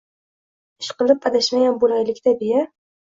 Ishqilib adashmagan bo`laylik-da, deya